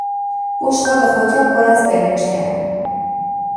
بشقاب خود را پر از برنج کردم.